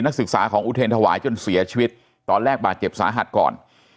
นักศึกษาของอุเทรนธวายจนเสียชีวิตตอนแรกบาดเจ็บสาหัสก่อน